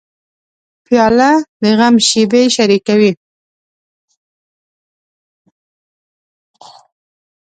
پیاله د غم شېبې شریکوي.